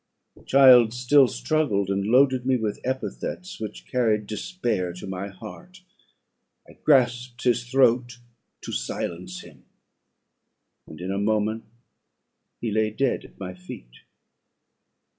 "The child still struggled, and loaded me with epithets which carried despair to my heart; I grasped his throat to silence him, and in a moment he lay dead at my feet.